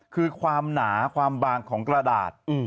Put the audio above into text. คือความหนาความบางของกระดาษ